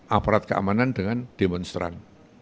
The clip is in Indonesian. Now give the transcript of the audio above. aparat keamanan dengan demonstran